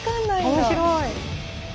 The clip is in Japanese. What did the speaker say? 面白い。